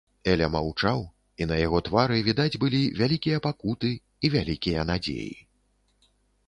Эля маўчаў, і на яго твары відаць былі вялікія пакуты і вялікія надзеі.